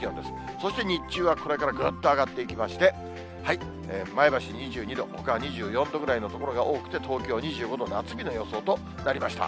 そして日中はこれからぐっと上がっていきまして、前橋２２度、ほかは２４度ぐらいの所が多くて東京２５度、夏日の予想となりました。